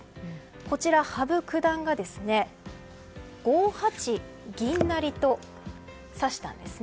こちら、羽生九段が５八成銀と指したんです。